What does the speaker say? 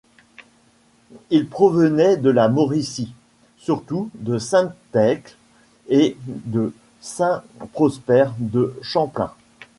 Ils provenaient de la Mauricie, surtout de Sainte-Thècle et de Saint-Prosper-de-Champlain.